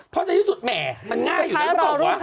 เพราะในที่สุดแหม่มันง่ายอยู่แล้วก็บอกวะ